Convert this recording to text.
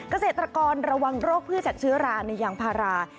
เกษตรกรระวังโรคพืชจากเชื้อราในยางพารา